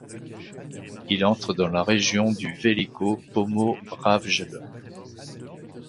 Il entre dans la région du Veliko Pomoravlje.